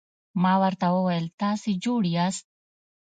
ما ورته وویل: تاسي جوړ یاست؟